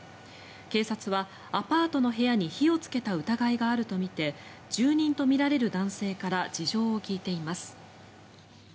警察は、アパートの部屋に火をつけた疑いがあるとみて住人とみられる男性から事情を聴いています。